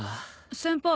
先輩。